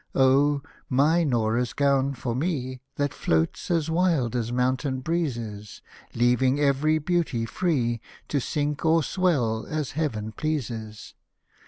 Oh I my Nora's gown for me, That floats as wild as mountain breezes. Leaving every beauty free To sink or swell as Heaven pleases.